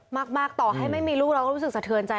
มากต่อให้ไม่มีลูกเราก็รู้สึกสะเทือนใจ